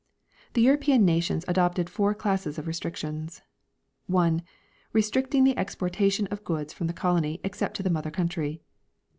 The European nations adopted four classes of restrictions : 1. Restricting the exportation of goods from the colony except to the mother country.